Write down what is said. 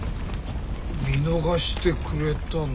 見逃してくれたのか？